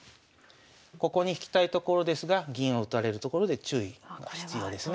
ここに引きたいところですが銀を打たれるところで注意が必要ですね。